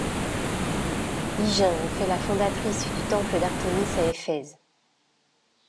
Hygin en fait la fondatrice du temple d'Artémis à Éphèse.